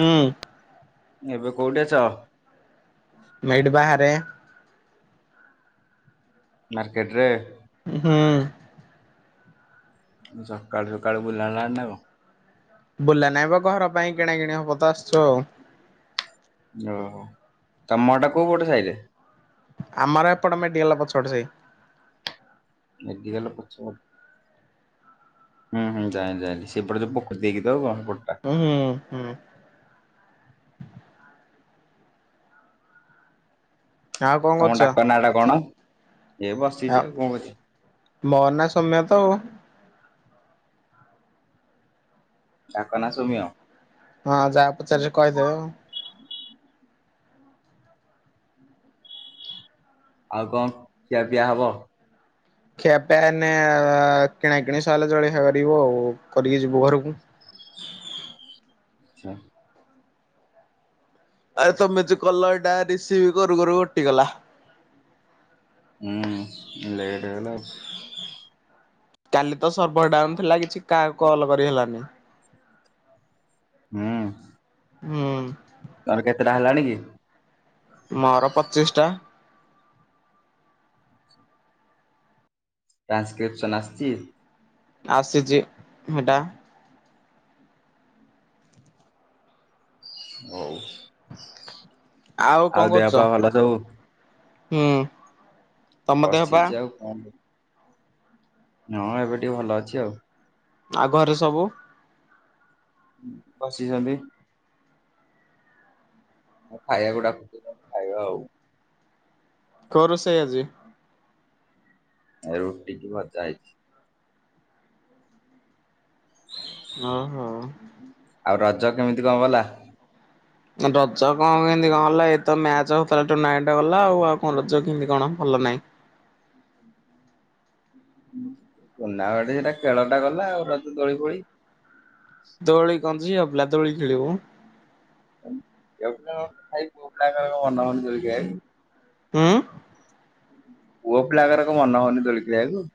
ହୁଁ। ଏବେ କୋଉଠି ଅଛ? ମୁଁ ଏଇଟି ବାହାରେ ମାର୍କେଟରେ? ହୁଁ। ଏ ସକାଳୁ ସକାଳୁ ବୁଲା ହେଲାଣି ନା କଣ? ବୁଲା ନାଇଁ ବ ଘର ପାଇଁ କିଣା କିିଣି ହବ ତ ଆସିଚୁ ଆଉ। ଓହୋ ତମ ଘରଟା କୋଉ ପଟ ସାଇଟି? ଆମର ଏପଟ ମେଡିକାଲ ପଛପଟ ସାଇ। ମେଡ଼ିକାଲ ପଛପଟ ହୁଁ ହୁଁ ଜାଇଁଲି ଜାଇଁଲି ସେପଟେ ତ ପୋଖରୀ ଦେଇକି ତ ଆଉ କଣ। ସେପଟଟା। ହୁଁ ହୁଁ ହୁଁ। ଆଉ କଣ ତମ ଡାକ ନାଁଟା କଣ? ଏ ବସିଛି ଆପ୍ ଆଉ କଣ କରିବି ମୋ ନାଁ ସୌମ୍ୟ ତ ଆଉ। ଡାକ ନାଁ ସୋମିଅ? ହଁ ଯାହା ପଚାରୁଚି କହିଦେବେ ଆଉ। ଆଉ କଣ ଖିଆପିଆ ହବ? ଖିଆପିଆ ଏଇନେ କିଣାକିଣି ସରିଲେ ଜଳଖିଆ କରିବୁ ଆଉ। କରିକି ଯିବୁ ଘରକୁ ଆଚ୍ଛା ଆରେ ତମେ ଯେ କଲ ଏଇଟା ରିସିଭ କରୁ କରୁ କଟିଗଲା। ହୁଁ ଉଁ ଲେଟ ହେଲା। କାଲି ତ ସର୍ଭର ଡାଉନ ଥିଲା କିଛି କାହାକୁ କଲ କରି ହେଲାନି। ହୁଁ। ହୁଁ। ତାର କେତେଟା ହେଲାଣି କି? ମୋର ପଚିଶଟା। ଟ୍ରାନ୍ସକ୍ରିପ୍ସନ୍ ଆସଚି? ଆସିଚି ହେଇଟା। ହଉ, କଣ ଆଉ କରୁଛ? ଦେହ ପା ଭଲ ସବୁ? ହୁଁ। ତମ ଦେହ ପା ବସିଚି ଆଉ କଣ ଯେ? ହଁ ଏବେ ଟିକେ ଭଲ ଅଛି ଆଉ। ଆଉ ଘରେ ସବୁ? ବସିଚନ୍ତି? ଆଉ ଖାଇବାକୁ ଡାକୁଚନ୍ତି ଆମେ ଖାଇବା ଆଉ। କଣ ରୋଷେଇ ଆଜି? ରୁଟି କି ଭଜା ହେଇଛି। ଓହୋ। ରଜ କେମିତି କଣ ଗଲା? ରଜ କଣ କେମତି କଣ ହେଲା ଏଇତ ମ୍ୟାଚ ହଉଥିଲା ଟୁର୍ଣ୍ଣାମେଣ୍ଟ ଗଲା ଆଉ, ଆଉ କଣ ରଜ କେମିତି କଣ ଭଲ ଭଲ ନାହିଁ। ଟୁର୍ଣ୍ଣାମେଣ୍ଟ ସେଟା ଖେଳଟା ଗଲା ଆଉ ବାକି ଦୋଳି ଫୋଳି ଦୋଳି କଣ, ଝିଅ ପିଲା ଦୋଳି ଖେଳିବୁ? ଝିପିଲାଙ୍କର ଖାଲି ପୁଅ ପିଲାଙ୍କର କଣ ମନ ହେଉନି ଦୋଳି ଖେଳିବାକୁ। ହୁଁ। ପୁଅ ପିଲାଙ୍କର କଣ ମନ ହଉନି ଦୋଳ ଖେଳିବାକୁ?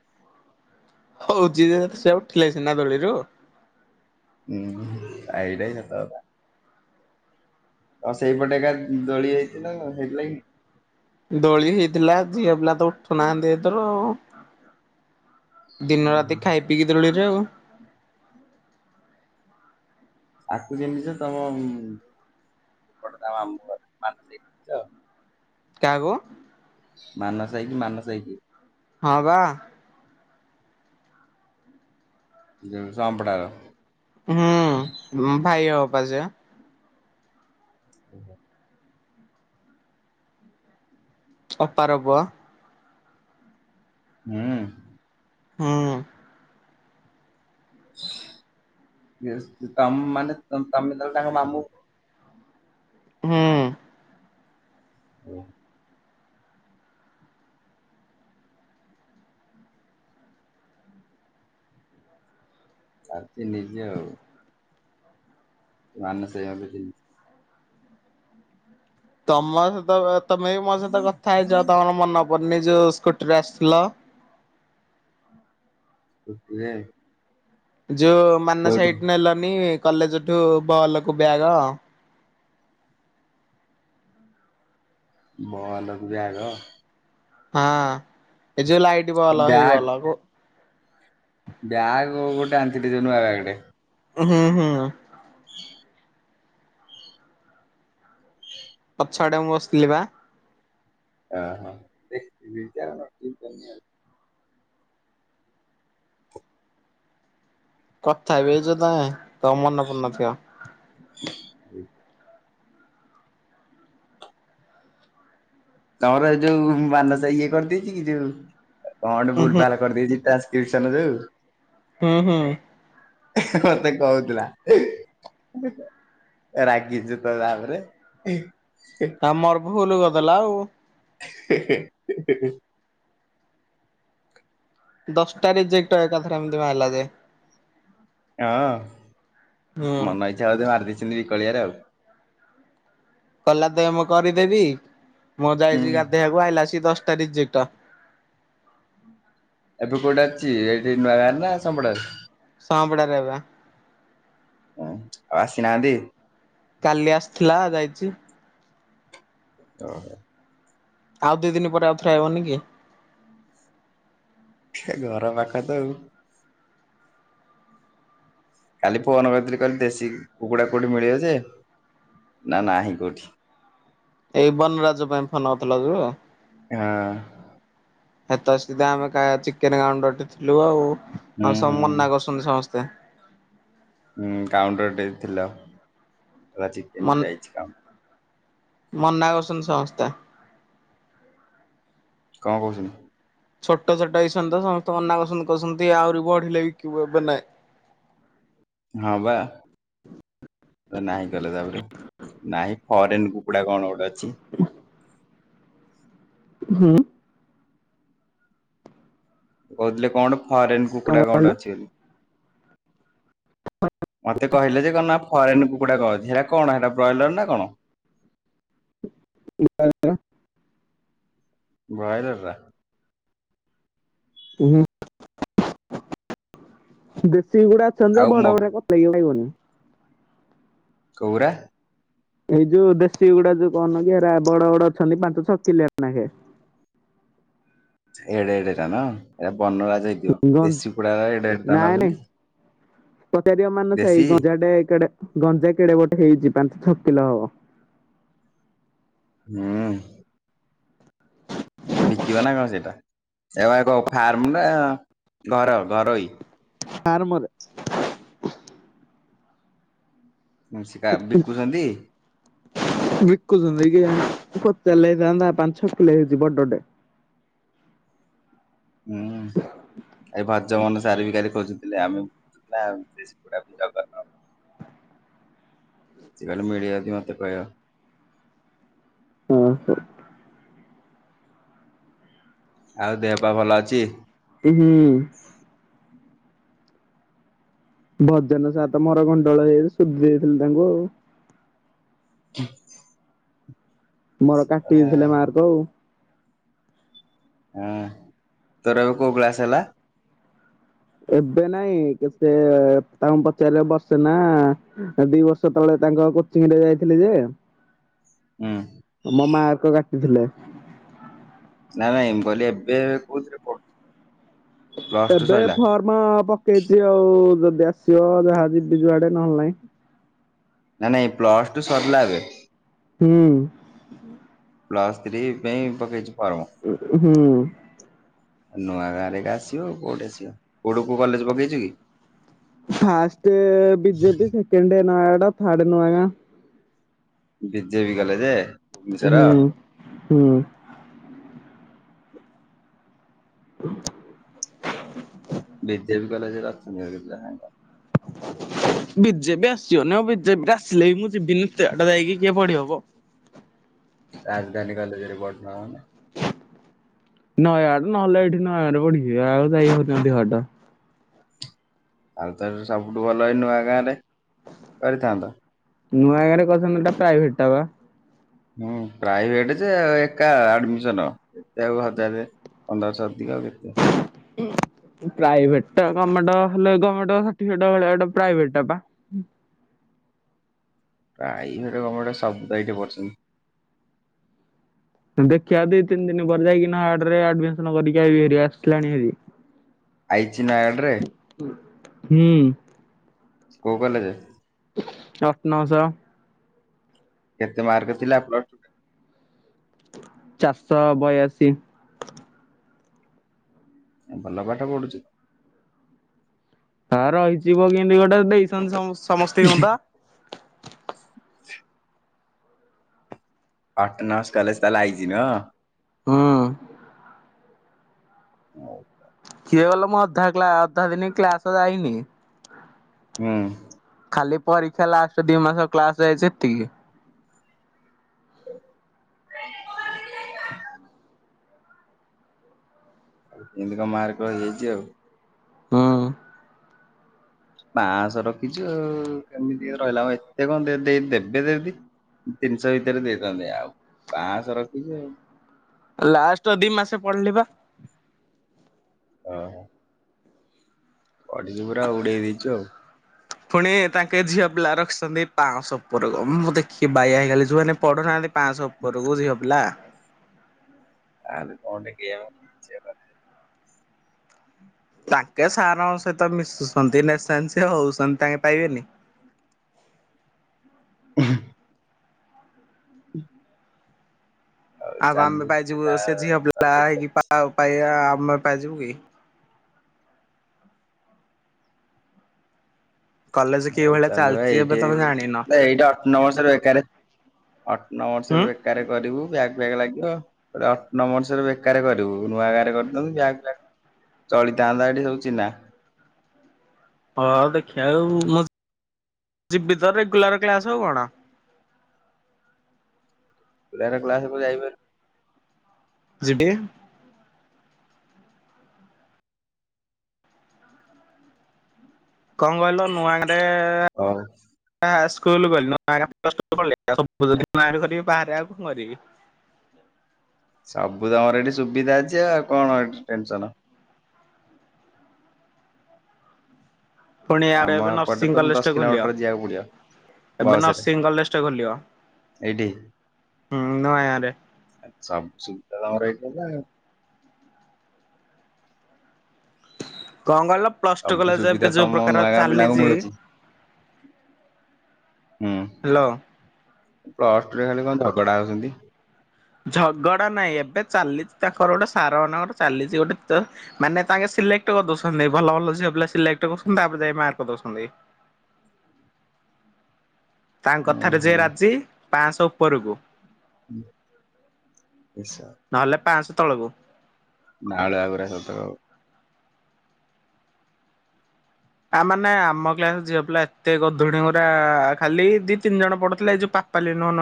ହଉଚି ଯି ସେ ଉଠିଲେ ସିନା ଦୋଳିରୁ। ଉଁ ଏଇଟା ବି ସତ କଥା। ଆଉ ସେଇପଟେ ଏକା ଦୋଳି ହେଇଚି କଣ? ସେଇଥିଲାଗି ଦୋଳି ହେଇଥିଲା ଝିଅ ପିଲା ତ ଉଠୁନାହାନ୍ତି ଏଥର ଆଉ। ଦିନ ରାତି ଖାଇ ପିଇକି ଦୋଳରେ ଆଉ। ଆକୁ ଚିଁହିଚ ତମ ଏପଟେ ତା ମାମୁ ଘର। [unintelligible] କାହାକୁୁ? ମାନସ ହେଇକି ମାନସ ହେଇକି ହଁ ପା ଯୋଉ ସମ୍ପଡାର ହୁଁ ଭାଇ ହେବ ପା ସେ ଅପାର ପୁଅ। ହୁଁ। ହୁଁ। ୟେସ୍ ତା ମାନେ ତମ ତମେ ତା ତାଙ୍କ ମାମୁଁ ହୁଁ। ହୁଁ। ଆତି ନିଜେ ଆଉ ମାନସ ଭାଇଙ୍କ [unintelligible] ତମ ସହିତ ତମେ ବି ମୋ ସହିତ କଥା ହେଇଚ ତମର ମନ ପଡୁନି ଯେ ସ୍କୁଟିରେ ଆସିଥିଲ ସ୍କୁଟିରେ? ଯୋଉ ମାନସ ଭାଇଠୁ ନେଲନି କଲେଜଠୁ ବଲକୁ ବ୍ୟାଗ। ବଲକୁ ବ୍ୟାଗ? ହଁ, ଏ ଯୋଉ ଲାଇଟ ବଲ ହେଇ ବଲ ଗୋ ବ୍ୟାଗ୍ ଗୋଟେ ଆଣିଥିଲି ଯୋଉ ନୁଆ ବ୍ୟାଗଟେ। ହୁଁ -ହୁଁ। ପଛଆଡେ ମୁଁ ବସିଥିଲି ପା ଆ ହାଁ, [inaudible] କଥା ବି ହେଇଛ ତମେ, ତମ ମନେ ପଡୁନଥିବ। ହୁଁ। ତମର ଏ ଯୋଉ ମାନସ ଭାଇ ଇଏ କରିଦେଇଛି କି ଯୋଉ କଣ ଗୋଟେ ଉଁ ହୁଁ ଭୁଲଭାଲ୍ କରିଦେଇଛି ଟାସ୍କ? [unintelligible] ଯୋଉ? ହୁଁ- ହୁଁ। ମତେ କହୁଥିଲା। ରାଗିଚୁ ତ ତା ଉପରେ। ତମର ଭୁଲ କରିଦେଲା ଆଉ। ହେହେ, ହେହେହେ। ଦଶଟା ରିଜେକ୍ଟ୍ ଏକାଥରେ ଏମିତି ବାହାରିଲା ଯେ ହଁଅ-ଅ, ହୁଁ। ମନଇଚ୍ଛା ବୋଧେ ମାରିଦେଇଛନ୍ତି ବିକଳିଆରେ ଆଉ। କଲା ଦେ ମୁଁ କରିଦେବି, ମୁଁ ହୁଁ ଯାଇଛି ଗାଧେଇବାକୁ ଆଇଲା ଆସିକି ଦଶଟା ରିଜେକ୍ଟ। ହୁଁ [unintelligible] ଏବେ କୋଉଠି ଅଛି ଏଇଠି ନୂଆଗାଁରେ ନା ସମ୍ପଡାରେ? ସମ୍ପଡାରେ ପା ହୁଁ ଆସିନାହାନ୍ତି? କାଲି ଆସିଥିଲା, ଯାଇଛି। ଅହଁ। ଆଉ ଦି ଦିନ ପରେ ଆଉଥରେ ଆଇବନି କି ସେ ଘର ପାଖ ତ ଆଉ। କାଲି ଫୋନ କରିଥିଲି କହିଲି ଦେଶୀ କୁକୁଡା କୁକୁଡି ମିଳିବ ଯେ ନା ନାହିଁ କୋଉଠି ଏଇ ବନ ରାଜ ପାଇଁ ଫୋନ୍ କରିଥିଲା କିଓ ହଁ। ଏତ ସିଧା ଆମେ କା ଚିକେନ ଗାଉଣ୍ଡଟି ଥିଲୁ ହୁଁ ଆଉ। ହୁଁ ସବୁ ମନା କରୁଚନ୍ତି ସମସ୍ତେ ତ ହଁ କାଉଣ୍ଟର ଟେ ଥିଲା। ଚିକେନ ମନ୍ ପାଇଁ ଆଇଚି କାଉଣ୍ଟର ମନା କରଛନ୍ତି ସମସ୍ତେ କଁ କହୁଚନ୍ତି? ଛୋଟ ଛୋଟ ହେଇଚନ୍ତି ତ ସମସ୍ତେ ମନା କସନ୍ତି କସନ୍ତି ଆହୁରି ବଢିଲେ ବିକିବୁ ଏବେ ନାହିଁ। [inaudible] ହଁ ପା ନାହିଁ କଲେ ତାପରେ ନାହିଁ ଫରେନ କ କୁକୁଡା କଣ ଗୋଟେ ଅଛି। ହଁ। କହୁଥିଲେ କଣ ଫରେନ୍ କଣ କୁକୁଡା କହିଲ? କନଟେ ଅଛି। ମତେ କହିଲେ ଯେ କ ଫରେନ କ କୁକୁଡା କଣ ଅଛି ହେଲା କଣ ସେଟା ବ୍ରଏଲର ନା କଣ [unintelligible] ବ୍ରଇଲରରା ହୁଁ [unintelligible] ସେଗୁଡା ସଞ୍ୟ ଆଉ ମ ବଡ ବଡା କ ଲାଗାଗିବନି କଉରା ଏଇ ଯୋଉ ଦେଶୀ ଗୁଡା ଯୋଉ କହନ କିରା ବଡ ବଡ ଅଛନ୍ତି ପାଞ୍ଚ ଛଅ କିଲୋଖେ [inaudible] ଏଡେ ଏଡେ ଟା ନ ଏଟା ବନରାଜ ହେଇଥିବ ଗନ୍ ଦେଶୀ ପୋଡା ଏଡେ ଏଡଟା ନେଉଚନ୍ତି। ପଚାରିବା ମାନ ସେଇ ଗଜାଡେ ଏଇଡେ ଗଞ୍ଜା କେଡେ ଗୋଟେ ହେଇଛି ପାଞ୍ଚ ଛ କିଲ ହବ। ହୁଁ। ଏ ଏକ ଫାର୍ମ ନା ଘର ଘରୋଇ ଫାରମରେ ଶିକା ବିକୁଛନ୍ତି। ବିକୁଛନ୍ତିନ୍ଧା [unintelligible] ପାଞ୍ଚ ଛଅ କିଲ ହେଇଛି ବଡଟେ ହୁଁ। ଏଇ ଭଜ ମନ ସାର ବିାରି ଖୋଜୁଥିଲେ ଆମେଡା ଜ [inaudible] ସିଏ କହିଲେ ମିଳିବ ଯଦି ମତେ କହିବ ହଁ ସାର୍ ଆଉ ଦେହ ପା ଭଲ ଅଛି। ହୁଁ। ଭଜନ ସାତ ମର ଗଣ୍ଡଳ ହେଇ ସୁଧି ଦେଇଥିଲି ତାଙ୍କୁ ଆଉ ହୁଁ। ମୋର କାଟି ଦେଇଥିଲେ ମାର୍ କଉ ହୁଁ ତୋର ବି କୋଉ ଗ୍ଳାସ ହେଲା। ଏବେ ନାଇଁ ସେ ତାଙ୍କୁ ପଚାରିବା ବର୍ଷେ ନା ଦି ବର୍ଷ ତଳେ ତାଙ୍କ କୋଚିଂ ରେ ଯାଇଥିଲି ଯେ ହୁଁ। ମୋ ମାକ କାଟିଥିଲେ ନାଇଁ ନାଇଁ କହିଲି ଏବେ କୋଉଥିରେ ପଢୁ ପ୍ଲସ ଟୁ ଏବେ ସରିଲା ଫର୍ମଅ ପ ଇଚି ଆଉ ଯଦି ଆସିବ ଯାହା ଯିବି ଯୁଆଡେ ନହେଲେ ନାଇଁ। ନାଇ ନାଇଁ ପ୍ଲସ ଟୁ ସରିଲା ଏବେ। ହୁଁ, ପ୍ଲସଥ୍ରୀ ପାଇଁ ପକେଇଚ। ହୁଁ, ନୂଆ ଗାଁରେ ଏକା ଆସିବ କୋଉଠି ଆସିବ କୋଉଠୁ କୁ କଲେଜ ପକେଇଚୁ କି? First BJP second Nayagarh third Nuagaon. BJB କଲେଜେ? ହୁଁ ହୁଁ, ହ ବିଜେବି କଲେଜ ର [inaudible] ବିଜେପି ଆସିବନି ଆଉ ବିଜେପି ଆସିଲେ ବି ମୁଁ ଯିବିନି ଏତେବାଟ ଯାଇକି କିଏ ପଢିବ ବ ରାଜଧାନୀ କଲେଜରେ ପଢୁନ। ନୟାଗଡ ନହେଲେ ଏଇଠି ନୟା ଆଡେ ପଢିଯିବି ଆଉ ଯାଇହବ ନି ଅଧିକ ବାଟ। ତାହେଲେ ତ ସବୁଠୁ ଭଲ ହଇ ନୂଆଗାଁ ରେ କରିଥାନ୍ତ। ନୂଆ ଗାଁରେ କରିଥାନ୍ତୁ ହେଟା ପ୍ରାଇଭେଟ ଟା ବା। ହୁଁ ପ୍ରାଇଭେଟ ଯେ ଏକା ଆଡମିସନ ଏତେ ଆଉ ହଜାରେ ଅନ୍ଦାସ ଅଧିକା କେତ ପ୍ରାଇଭେଟଟା ଗମେଣ୍ଟ ହେଲେ ଗମେଣ୍ଟ ସାଠିବିକଟ ମିଳିବ ଏଟା ପ୍ରାଇଭେଟ ଟା ପା ପ୍ରାଇଭେଟ ଗମେଣ୍ଟ ସବୁତ ଏଠି ପଢୁସନ୍ତି। ଦେଖିବା ଦି ତିନି ଦିନ ପରେ ଯାଇକିନା ଆଟରେ ଆଡରେମିସନ କରିକି ଆଇବିଭାରୀ ଆସିଲାଣି ଭାରି। ଆଇଚି ନୟାଗଡ଼ ରେ? ହୁଁ, କଉ କଲେଜେ? ଅଟନମ୍ କେତେ ମାର୍କ ଥିଲା ପ୍ଲସ ଟୁ ରେ ଚାରଶହ ବୟାଶୀ ଭଲପାଠ ପଢ଼ୁଚୁ। ହ ରହିଯିବ କେମିତି ଗୋଟେ ଦେଇଛନ୍ତି ସମସ୍ତି ଙ୍କୁ ତ। [unintelligible] ଅଟନମ୍ସ କଲେଜ ତାହେଲେ ଆଇଚି ନୁହଁ? ହଁ ଅଁ କିଏ କଲ ମୁ ଅଧା କ୍ ଅଧା ଦିନ କ୍ଲାସ ଯାଇନି। ହୁଁ, ଖାଲି ପରୀକ୍ଷା ଲାଷ୍ଟ ଦି ମାସ କ୍ଲାସ ଯାଇଚି ଏତିକି। [unintelligible] କେମିତି କଣ ମାର୍କ ରହି ଯାଇଚି ଆଉ ହଁ, ପାଁଶହ ରଖିଛୁ ଆଉ କେମିତି ରହିଲା ଆ ଏତେ କଣ ଦେବେ ଦିଦି ତିନିଶହ ଭିତରେ ଦେଇଥାନ୍ତି ଆଉ ପାଞ୍ଚଶହ ରଖିଚୁ ଆଉ ଲାଷ୍ଟ ଦି ମାସେ ପଢିଲି ବା ଓହ। ଦେଇଛୁ ଆଉ ପୁଣି ତାଙ୍କେ ଝିଅ ପିଲା ରଖିସନ୍ତି ପାଁଶହ ଉପରକୁ ମୁଁ ଦେଖିକି ବାଇଆ ହେଇଗଲି ଯୋଉମାନେେ ପଢୁନାହାନ୍ତି ପାଞ୍ଚଶହ ଉପରକୁ ଝିଅ ପିଲା। ଆ କ [inaudible] ତାଙ୍କେ ସାର୍ଙ୍କ ସହିତ ମିଶୁଛନ୍ତି ନେସା ନେସି ହଉସନ୍ତି ତାଙ୍କେ ପାଇବେନି। ଉହୁଁ। ହୁଁ, ଆଉ ଆମ୍ମେ ପାଇଯିବୁ ତା ସେ ସେଝିପିଲ ଚଲେଇ ହେ କି ଚାଲିଛି ପା ପା ଆମେ ପାଇଯିବୁ କି [unintelligible] କଲେଜ କି ଆଉ ଭଳିଆ ଚାଲୁ ଚାଲିଛି ଏବେ ଏଇଠି ତମେ ଜାଣିନ। ଏଇଟା ଅଠ ନଅ ବର୍ଷ ରେ ଏକାରେ ଅଠ ନ ହୁଁ ବର୍ଷରେ ବେକାର କରିବୁ ବ୍ୟାଗ୍ ବ୍ୟାଗ୍ ଲାଗିବ। ଅଠନ ମଣିଷରେ ବେକାର କରିବୁ ନୂଆ ଗାରେ କରିଦିଅନ୍ତୁ ବ୍ୟାଗ ଚଳିଥାନ୍ତା ଏଠି ସବୁ ଚିହ୍ନା। ହଁ ଦେଖିବା ଆଉ ମୁଁ ଯିବିତ ରେଗୁଲର କ୍ଲାସ ଆଉ କଣ? ତେର କ୍ଲାସକୁ ଯାଇବେ। ଯିବେ। କଣ କହିଲ ନୂଆଡେ ହଉ ସ୍କୁଲ ଗ ନଁ କରି ବାହାରେ ଆଉ କଣ କରିବି [unintelligible] ସବୁ ତମର ଏଠି ସୁବିଧା ଅଛି ଆଉ କଣ ଟେନସନ। ପୁଣି ଆଡେ ଆମ ଏବେ ଏପଟେ ନର୍ସିଂ ତ କଲେଜଟେ ଦଶ ଖୋଲିବ କିଲୋମିଟର ଯିବାକୁ ପଡିବ। ଏବେ ବସରେ ନର୍ସିଂ କଲେଜଟେ ଖୋଲିବ। ଏଇଠି। ହୁଁ ନୂଆ ଗାଁରେ ସବୁ ସୁବିଧା ତମର ଏଇଠି। ହେ [inaudible] କଣ କହିଲ ପ୍ଲସ ଟୁ ସବୁ କଲେଜ ଏବେ ସୁବିଧା ଯୋଉ ତମ ପ୍ରକାର ନୂଆ ଗାଁ ପିଲାଙ୍କୁ ଚାଲିଛି ମିଳୁଛି। ହ୍ୟାଲୋ ହୁଁ ଅଷ୍ଟ୍ରେଲିଆ ଖାଲି କ [unintelligible] ଝଗଡ଼ା ହଉଛନ୍ତି। ଝଗଡା ନାଇଁ ଏବେ ଚାଲିଛି ତାଙ୍କର ଗୋଟେ ସାର ଗୋଟେ ଚାଲିଛି ଗୋଟେ ମାନେ ତାଙ୍କେ ସିଲେକ୍ଟ କରି [unintelligible] ଦଉଛନ୍ତି ଭଲ ଭଲ ଝିଅ ପିଲ ସେକ୍ଟ କରୁଛନ୍ତି ତାପରେ ଯାଇ ମାର୍କ ଦଉଛନ୍ତି। [inaudible] ତାଙ୍କ କଥାରେ ଓହୋ ଯିଏ ରାଜି, ପାଞ୍ଚଶହ ଉପରକୁ, ହ ଆଛା [unintelligible] ତଳକୁୁ ନାଳ ଆଗରେ ସତଉ [unintelligible] ଆ ମାନେ ଆମ କ୍ଲାସ ଝିଅ ପିଲା, ଏତେ ଗଧୁଣ ଗୁରା, ଖାଲି ଦି ତିନି ଜଣ ପଡୁଥିଲା, ଏଇ ଯୋଉ ାଗ ପାି ନ ନ [unintelligible]